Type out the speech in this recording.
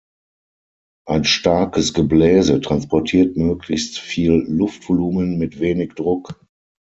Ein starkes Gebläse transportiert möglichst viel Luftvolumen mit wenig Druck.